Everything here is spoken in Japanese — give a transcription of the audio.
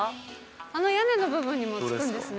あの屋根の部分にもつくんですね。